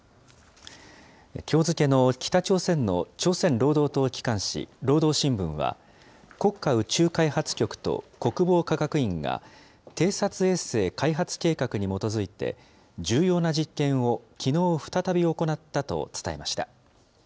きょう付けの北朝鮮の朝鮮労働党機関紙、労働新聞は、国家宇宙開発局と国防科学院が偵察衛星開発計画に基づいて、重要な実験をきのう再び行ったと伝えました。